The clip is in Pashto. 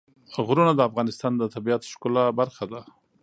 غرونه د افغانستان د طبیعت د ښکلا برخه ده.